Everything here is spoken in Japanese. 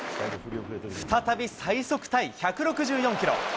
再び最速タイ１６４キロ。